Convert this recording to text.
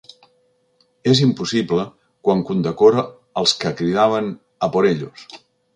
És impossible, quan condecora els que cridaven “a por ellos”.